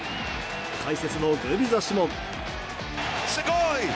解説のグビザ氏も。